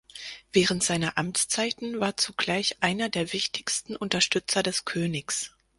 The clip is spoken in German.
Während seiner Amtszeiten war zugleich einer der wichtigsten Unterstützer des Königs.